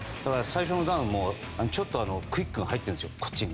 最初のダウンもちょっとクイックが入ってるんですよ。